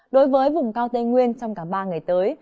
đối với vùng cao tây nguyên trong cả ba ngày tới